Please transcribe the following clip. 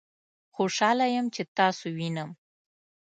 خوشحاله یم چې تاسو وینم